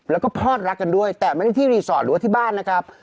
แล้วก็พอดรักกันด้วยแต่ไม่ได้ที่รีสอร์ทหรือว่าที่บ้านนะครับ